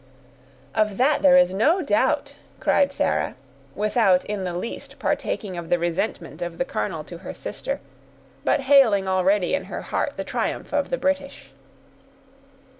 "Of that there is no doubt," cried Sarah, without in the least partaking of the resentment of the colonel to her sister, but hailing already in her heart the triumph of the British.